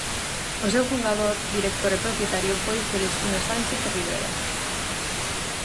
O seu fundador, director e propietario foi Celestino Sánchez Rivera.